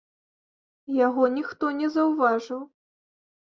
Яго ніхто не заўважыў.